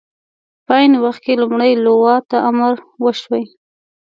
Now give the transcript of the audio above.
په عین وخت کې لومړۍ لواء ته امر وشي.